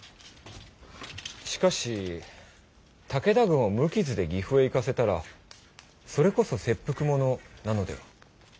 しかし武田軍を無傷で岐阜へ行かせたらそれこそ切腹ものなのでは？